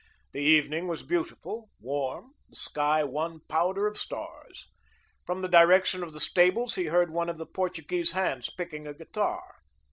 The evening was beautiful, warm, the sky one powder of stars. From the direction of the stables he heard one of the Portuguese hands picking a guitar.